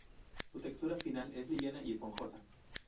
Su textura final es liviana y esponjosa.